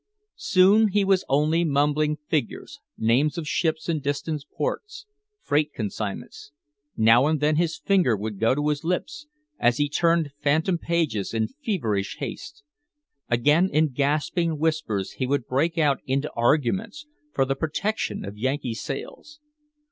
Soon he was only mumbling figures, names of ships and distant ports, freight consignments. Now and then his finger would go to his lips, as he turned phantom pages in feverish haste. Again, in gasping whispers, he would break out into arguments for the protection of Yankee sails.